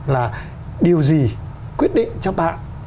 là điều gì quyết định cho bạn